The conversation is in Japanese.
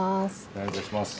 お願い致します。